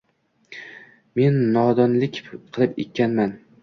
Men nodonlik qilib ekanman.